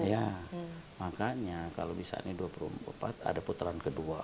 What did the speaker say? iya makanya kalau misalnya dua puluh empat ada putaran kedua